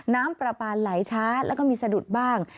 น้ำปลาปลาไหลช้าแล้วก็มีสะดุดบ้าง